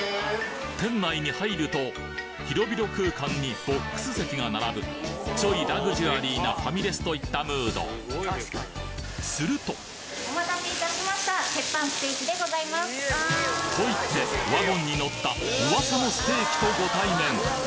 店内に入ると広々空間にボックス席が並ぶちょいラグジュアリーなファミレスといったムードするとと言ってワゴンに乗った噂のステーキとご対面！